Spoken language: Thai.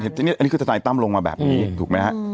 อันนี้คือสไตล์ตั้มลงมาแบบนี้ถูกมั้ยฮะ